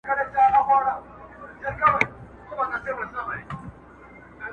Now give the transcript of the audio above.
o جواب را كړې.